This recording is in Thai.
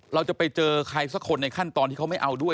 เราจะไปเจอใครสักคนในขั้นตอนที่เขาไม่เอาด้วย